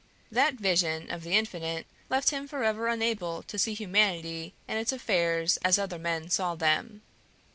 That vision of the Infinite left him forever unable to see humanity and its affairs as other men saw them.